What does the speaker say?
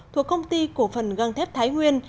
thuộc công ty cổ phần găng thép thái nguyên